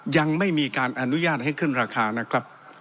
ยังไม่มีการอนุญาตให้ขึ้นราคานะครับ